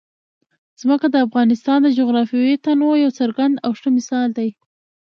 ځمکه د افغانستان د جغرافیوي تنوع یو څرګند او ښه مثال دی.